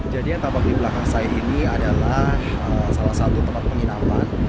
jadi yang tampak di belakang saya ini adalah salah satu tempat penginapan